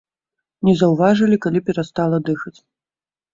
Не заўважылі, калі перастала дыхаць.